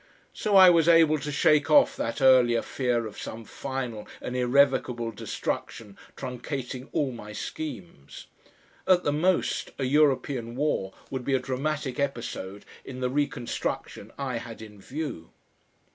So I was able to shake off that earlier fear of some final and irrevocable destruction truncating all my schemes. At the most, a European war would be a dramatic episode in the reconstruction I had in view.